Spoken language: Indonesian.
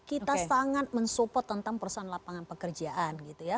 kita sangat mensupport tentang perusahaan lapangan pekerjaan gitu ya